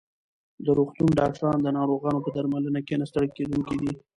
د روغتون ډاکټران د ناروغانو په درملنه کې نه ستړي کېدونکي دي.